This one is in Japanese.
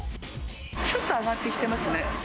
ちょっと上がってきてますね。